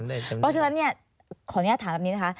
เพราะฉะนั้นขออนุญาตถามแบบนี้นะคะ